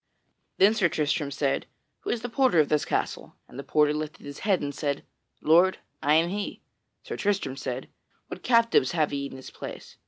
Then Sir Tristram said, "Who is the porter of this castle?" And the porter lifted his hand and said, "Lord, I am he." Sir Tristram said, "What captives have ye in this place?"